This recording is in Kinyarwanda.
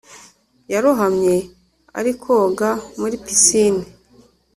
Yarohamye arikoga muri pisine